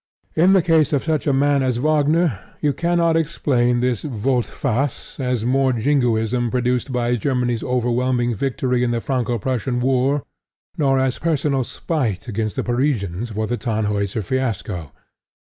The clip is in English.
In the case of such a man as Wagner, you cannot explain this volte face as mere jingoism produced by Germany's overwhelming victory in the Franco Prussian War, nor as personal spite against the Parisians for the Tannhauser fiasco.